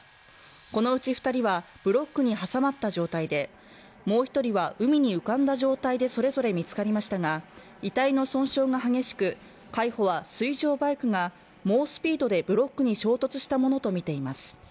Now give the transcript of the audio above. このうち二人はブロックに挟まった状態でもう一人は海に浮かんだ状態でそれぞれ見つかりましたが遺体の損傷が激しく海保は水上バイクが猛スピードでブロックに衝突したものと見ています